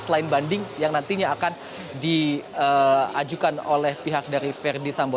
dan banding yang nantinya akan diajukan oleh pihak dari verdi sambo